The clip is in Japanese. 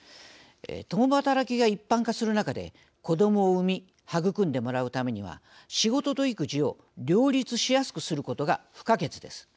共働きが一般化する中で子どもを産み育んでもらうためには仕事と育児を両立しやすくすることが不可欠です。